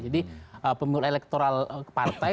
jadi pemilu elektoral partai